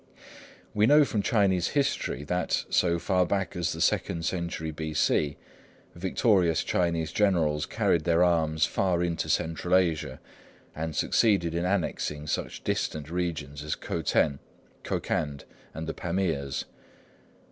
We know from Chinese history that, so far back as the second century B.C., victorious Chinese generals carried their arms far into Central Asia, and succeeded in annexing such distant regions as Khoten, Kokand, and the Pamirs.